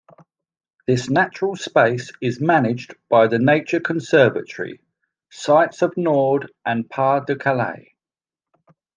This natural space is managed by the Nature Conservatory Sites of Nord and Pas-de-Calais.